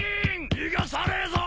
・逃がさねえぞ！